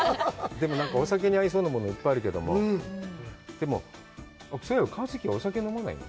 でも、お酒に合いそうなものもいっぱいあるけども、そういえば、一希はお酒飲まないの？